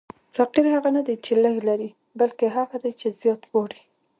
فقیر هغه نه دئ، چي لږ لري؛ بلکي هغه دئ، چي زیات غواړي.